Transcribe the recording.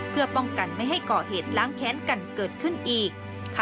เพื่อป้องกันไม่ให้ก่อเหตุล้างแค้นกันเกิดขึ้นอีก